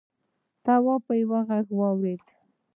تواب یوه غږ واورېد.